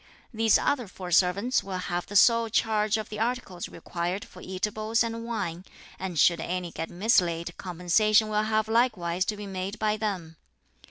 These other four servants will have the sole charge of the articles required for eatables and wine; and should any get mislaid compensation will have likewise to be made by them.